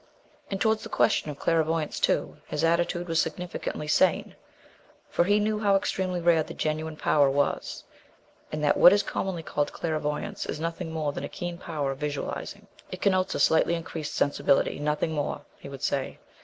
And towards the question of clairvoyance, too, his attitude was significantly sane, for he knew how extremely rare the genuine power was, and that what is commonly called clairvoyance is nothing more than a keen power of visualizing. "It connotes a slightly increased sensibility, nothing more," he would say.